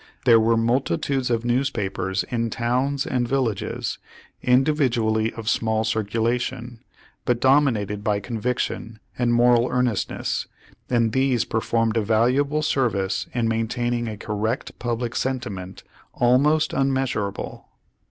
There were multitudes of newspapers in towns and villages, individually of small circulation, but dominated by conviction and moral earnestness, and these performed a valuable service in main taining a correct public sentiment almost unmeas urable.